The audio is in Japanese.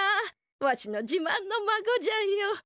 わしのじまんのまごじゃよ。